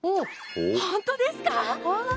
本当ですか！